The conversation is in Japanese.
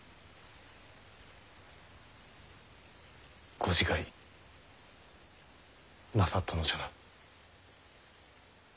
ご自害なさったのじゃな。